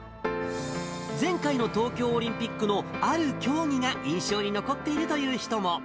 前回の東京オリンピックのある競技が印象に残っているという人も。